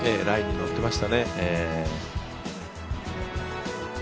ラインにのってましたね。